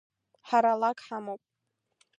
Ҳара лак ҳамоуп.